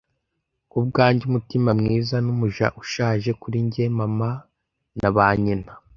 Kubwanjye umutima-mwiza n'umuja ushaje, kuri njye mama na ba nyina,